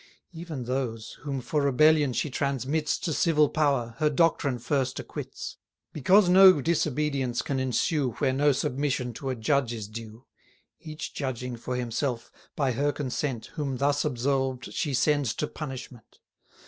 Even those, whom for rebellion she transmits 483 To civil power, her doctrine first acquits; Because no disobedience can ensue, Where no submission to a judge is due; Each judging for himself, by her consent, Whom thus absolved she sends to punishment.